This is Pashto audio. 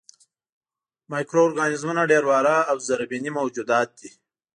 مایکرو ارګانیزمونه ډېر واړه او زرېبيني موجودات دي.